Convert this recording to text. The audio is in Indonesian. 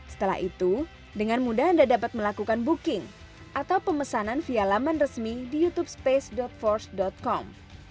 setelah itu dengan mudah anda dapat melakukan booking atau pemesanan via laman resmi di youtube space force com